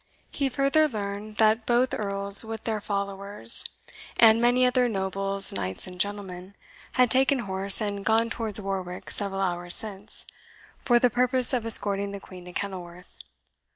He further learned that both Earls, with their followers, and many other nobles, knights, and gentlemen, had taken horse, and gone towards Warwick several hours since, for the purpose of escorting the Queen to Kenilworth.